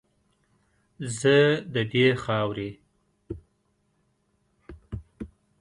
زه ددې خاورې